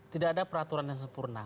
tidak ada peraturan yang sempurna